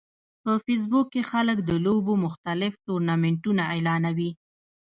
په فېسبوک کې خلک د لوبو مختلف ټورنمنټونه اعلانوي